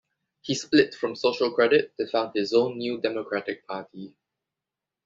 He split from Social Credit to found his own New Democratic Party.